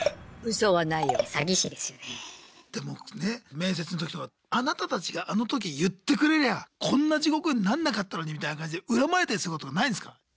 面接の時とかあなたたちがあの時言ってくれりゃこんな地獄になんなかったのにみたいな感じで恨まれたりすることないんですか？